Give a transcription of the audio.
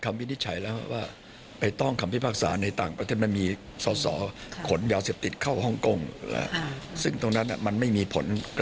อาจจะตรงกันแต่สารไทยไม่ได้เป็นคนตัดสิน